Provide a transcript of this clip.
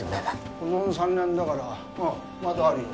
保存３年だからうんまだあるよ